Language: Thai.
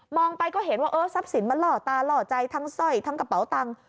มองไปก็เห็นว่าเอ้อซับสินมาหล่อตาหลอดใจทั้งซ่อยทั้งกระเป๋าตังค์